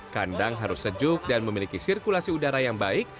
kandang harus sejuk dan memiliki sirkulasi udara yang baik